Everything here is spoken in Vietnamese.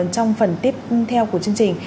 trong phần tiếp theo của chương trình